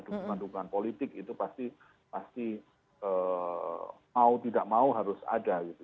dukungan dukungan politik itu pasti mau tidak mau harus ada gitu